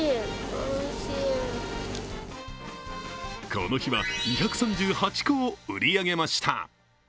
この日は、２３８個を売り上げました。